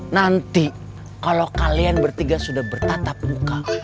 nanti kalau kalian bertiga sudah bertatap muka